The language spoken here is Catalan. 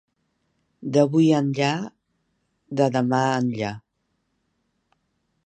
D'avui enllà, de demà enllà.